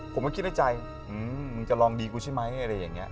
ผมก็คิดในใจมึงจะลองดีกูใช่ไหมอะไรอย่างนี้